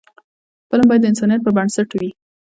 فلم باید د انسانیت پر بنسټ وي